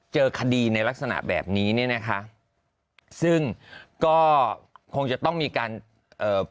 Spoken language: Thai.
เจอคดีในลักษณะแบบนี้เนี่ยนะคะซึ่งก็คงจะต้องมีการเอ่อ